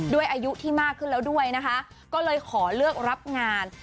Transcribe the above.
ด้วยอายุที่มากขึ้นแล้วด้วยนะคะก็เลยขอเลือกรับงาน